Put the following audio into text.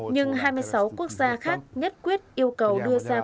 nhưng hai mươi sáu quốc gia khác nhất quyết yêu cầu đưa sang ukraine